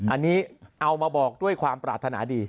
อันนี้เอามาบอกด้วยความปรารถนาดี